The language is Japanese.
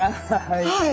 はい。